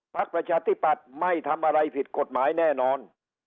ประชาธิปัตย์ไม่ทำอะไรผิดกฎหมายแน่นอน